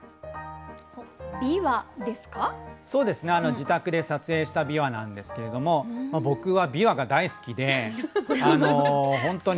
自宅で撮影したびわなんですけれども僕はびわが大好きで本当に。